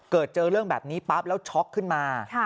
เจอเรื่องแบบนี้ปั๊บแล้วช็อกขึ้นมา